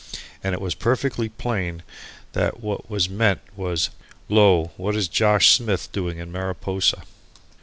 and it was perfectly plain that what was meant was, "Lo, what is Josh Smith doing in Mariposa?"